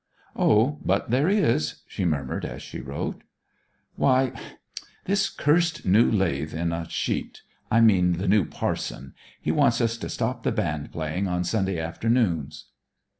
'O, but there is,' she murmured as she wrote. 'Why this cursed new lath in a sheet I mean the new parson! He wants us to stop the band playing on Sunday afternoons.'